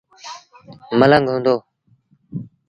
ملنگ هئندو۔